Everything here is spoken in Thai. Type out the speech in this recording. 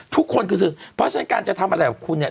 ทุกคนคือสื่อเพราะฉะนั้นการจะทำอะไรกับคุณเนี่ย